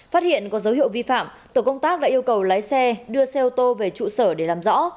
phát hiện có dấu hiệu vi phạm tổ công tác đã yêu cầu lái xe đưa xe ô tô về trụ sở để làm rõ